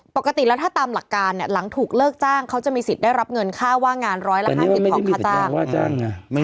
ปกติแล้วถ้าตามหลักการเนี่ยหลังถูกเลิกจ้างเขาจะมีสิทธิ์ได้รับเงินค่าว่างงานร้อยละ๕๐ของค่าจ้างไง